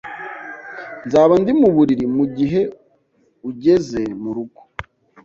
Nzaba ndi mu buriri mugihe ugeze murugo.